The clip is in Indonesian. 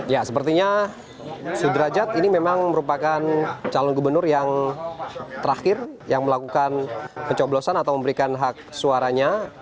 ya sepertinya sudrajat ini memang merupakan calon gubernur yang terakhir yang melakukan pencoblosan atau memberikan hak suaranya